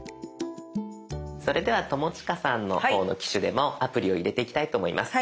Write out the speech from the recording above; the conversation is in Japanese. それでは友近さんの方の機種でもアプリを入れていきたいと思います。